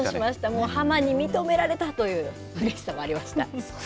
もうハマに認められたといううれしさもありました。